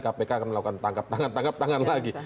kpk akan melakukan tangkap tangan tangkap tangan lagi